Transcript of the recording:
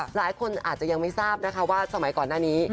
หลายคนอาจจะยังไม่ทราบนะคะว่าสมัยก่อนหน้านี้